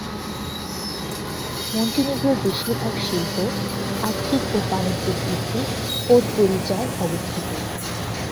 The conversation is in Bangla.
মন্টিনিগ্রোর বেশিরভাগ শিল্প, আর্থিক ও বাণিজ্যিক ভিত্তি পোদগোরিচায় অবস্থিত।